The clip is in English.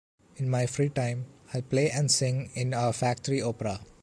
In my free time, I play and sing in our factory opera.